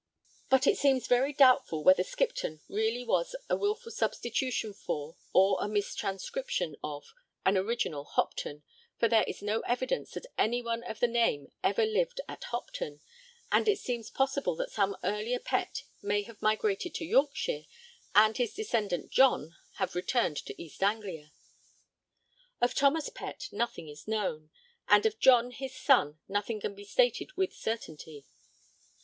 But it seems very doubtful whether Skipton really was a wilful substitution for, or a mis transcription of, an original 'Hopton,' for there is no evidence that anyone of the name ever lived at Hopton, and it seems possible that some earlier Pett may have migrated to Yorkshire and his descendant John have returned to East Anglia. Of Thomas Pett nothing is known; and of John his son nothing can be stated with certainty.